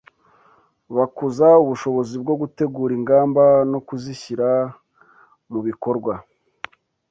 Bakuza ubushobozi bwo gutegura ingamba no kuzishyira mu bikorwa,